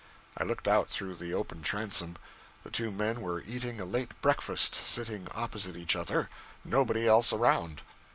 I looked out through the open transom. The two men were eating a late breakfast; sitting opposite each other; nobody else around.